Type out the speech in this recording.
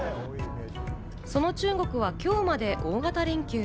その中国は今日まで大型連休。